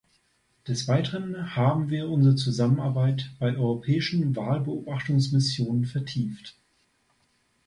Des Weiteren haben wir unsere Zusammenarbeit bei europäischen Wahlbeobachtungsmissionen vertieft.